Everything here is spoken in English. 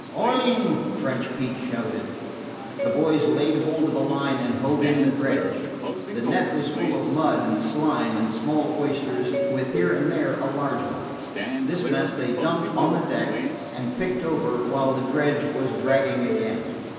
"All in!" French Pete shouted. The boys laid hold of the line and hove in the dredge. The net was full of mud and slime and small oysters, with here and there a large one. This mess they dumped on the deck and picked over while the dredge was dragging again.